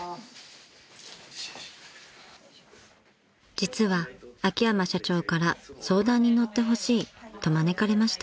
［実は秋山社長から相談に乗ってほしいと招かれました］